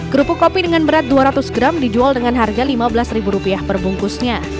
kerupuk kopi dengan berat dua ratus gram dijual dengan harga lima belas perbungkusnya